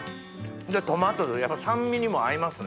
でトマトやっぱ酸味にも合いますね。